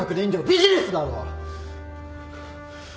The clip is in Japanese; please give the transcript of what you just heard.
ビジネスだろ！